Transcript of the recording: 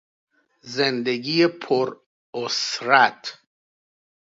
زندگی پرعسرت